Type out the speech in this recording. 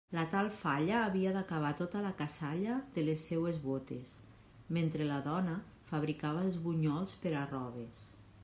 La tal falla havia d'acabar tota la cassalla de les seues bótes, mentre la dona fabricava els bunyols per arroves.